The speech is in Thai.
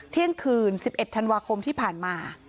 เที่ยงคืน๑๑ธันวาคมที่ผ่านมา